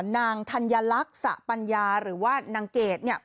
นางธัญลักษณ์สะปัญญาหรือว่านางเกด